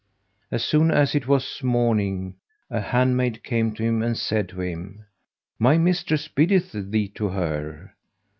As soon as it was morning, a handmaid came to him and said to him, "My mistress biddeth thee to her."